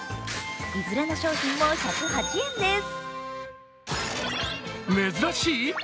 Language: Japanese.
いずれの商品も１０８円です。